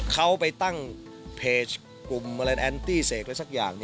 เขาไปตั้งเพจกลุ่มอะไรแอนตี้เสกอะไรสักอย่าง